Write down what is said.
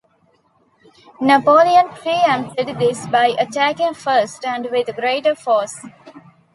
Napoleon pre-empted this by attacking first and with greater force.